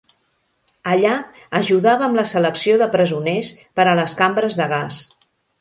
Allà, ajudava amb la selecció de presoners per a les cambres de gas.